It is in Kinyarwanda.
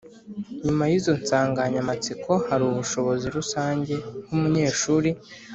Nyuma y’izo nsanganyamatsiko, hari ubushobozi rusange nk’umunyeshuri